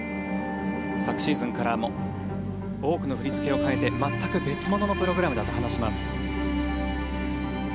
昨シーズンからも多くの振り付けを変えて全く別物のプログラムだと話します。